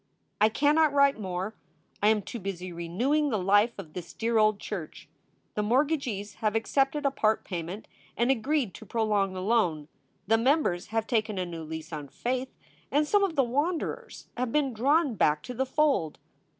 I cannot write more ! I am too busy renewing the life of this dear old church. The mortgagees have accepted a part payment and agreed to prolong the loan. The members have taken a new lease on faith and some of the wanderers have been drawn back to the fold.